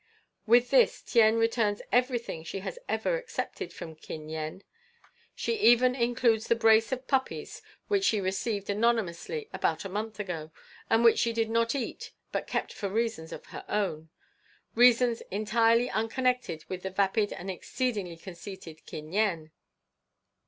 "With this Tien returns everything she has ever accepted from Kin Yen. She even includes the brace of puppies which she received anonymously about a month ago, and which she did not eat, but kept for reasons of her own reasons entirely unconnected with the vapid and exceedingly conceited Kin Yen."